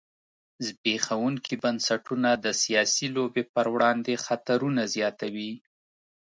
زبېښونکي بنسټونه د سیاسي لوبې پر وړاندې خطرونه زیاتوي.